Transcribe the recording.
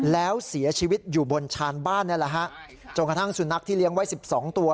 แล้วเสียชีวิตอยู่บนชานบ้านนี่แหละฮะจนกระทั่งสุนัขที่เลี้ยงไว้๑๒ตัว